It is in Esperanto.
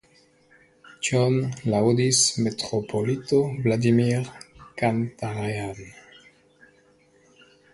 Tion laŭdis metropolito Vladimir Cantarean.